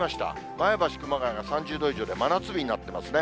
前橋、熊谷が３０度以上で真夏日になってますね。